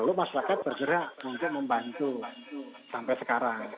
lalu masyarakat bergerak untuk membantu sampai sekarang